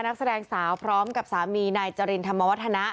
นักแสดงสาวพร้อมกับสามีนายจรินธรรมวัฒนะ